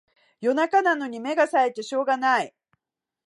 夜中なのに目がさえてしょうがない